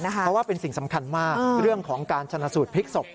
เพราะว่าเป็นสิ่งสำคัญมากเรื่องของการชนะสูตรพลิกศพ